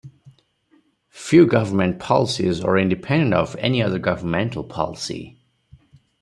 Few government policies are independent of any other governmental policy.